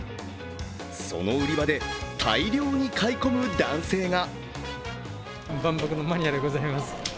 その売り場で大量に買い込む男性が。